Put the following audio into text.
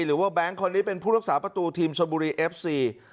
แบงค์คนนี้เป็นผู้รักษาประตูทีมชนบุรีเอฟซี